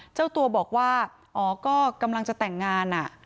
เจ้าตัวบอกว่ากำลังจะแต่งงานอะ